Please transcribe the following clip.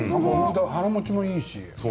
腹もちもいいし。